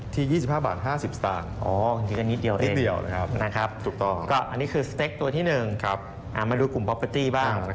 ที่๒๕บาท๕๐สตาร์นิดเดียวเลยครับอันนี้คือสเต็กตัวที่๑มาดูกลุ่มพอปเตอร์ตี้บ้าง